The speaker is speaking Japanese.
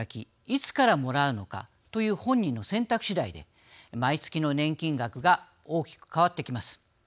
いつからもらうのかという本人の選択しだいで毎月の年金額が大きく変わってきます。